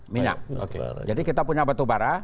minyak jadi kita punya batubara